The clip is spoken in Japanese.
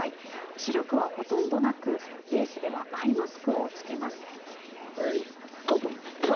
視力はほとんどなく、レースではアイマスクを着けます。